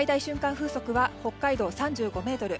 風速は北海道、３５メートル